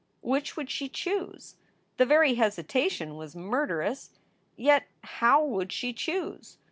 Which would she choose? The very hesitation was murderous. Yet how would she choose?